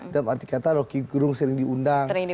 dan arti kata roky gerung sering diundang